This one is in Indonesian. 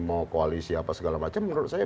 mau koalisi apa segala macam menurut saya